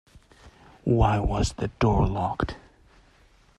Why was the door locked?